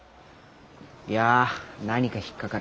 いや何か引っ掛かる。